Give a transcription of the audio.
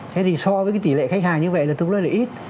thế thì so với tỷ lệ khách hàng như vậy là tức là ít